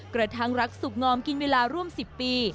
กระทั่งรักสุขงอมกินเวลาร่วม๑๐ปี